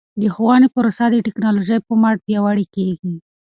د ښوونې پروسه د ټکنالوژۍ په مټ پیاوړې کیږي.